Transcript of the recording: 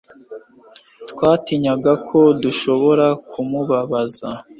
Twatinyaga ko dushobora kumubabaza